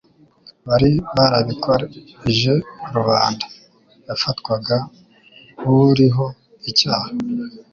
bari barikoreje rubanda yafatwaga nk’uriho icyaha,